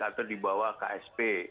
atau di bawah ksp